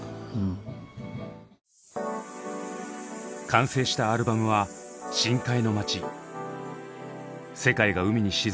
完成したアルバムは「深海の街」。